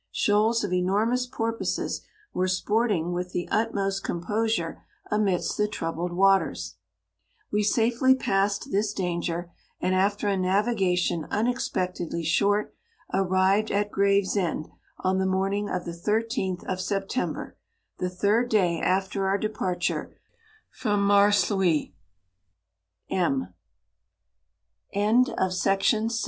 Shoals of enormous porpoises were sporting with the ut 81 most composure amidst the troubled waters. We safely past this danger, and after a navigation unexpectedly short, ar rived at Gravesend on the morning of the 13th of September, the third day after our departure fro